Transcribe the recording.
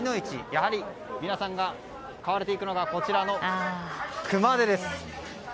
やはり皆さんが買われていくのがこちらの熊手です。